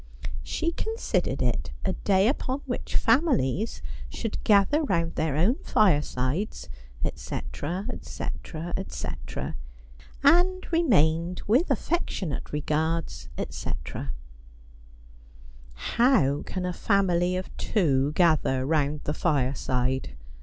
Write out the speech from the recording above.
She considered it a day upon which families should gather round their own firesides, etc., etc., etc., and remained, with affectionate regards, etc. ' How can a family of two gather round the fireside